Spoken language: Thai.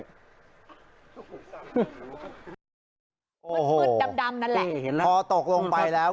มันมืดดำดำนั่นแหละเห็นแล้วพอตกลงไปแล้ว